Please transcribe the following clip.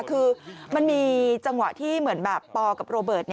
คือมันมีจังหวะที่เหมือนแบบปอกับโรเบิร์ต